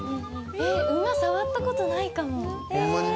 えっ馬触った事ないかも。